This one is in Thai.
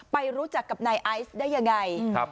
ไปรู้จักกับนายไอซ์ได้ยังไง